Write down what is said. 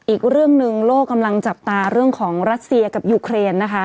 อีกเรื่องหนึ่งโลกกำลังจับตาเรื่องของรัสเซียกับยูเครนนะคะ